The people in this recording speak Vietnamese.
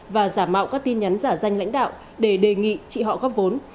và giả mạo các tin nhắn giả danh lãnh đạo để đề nghị chị họ góp vốn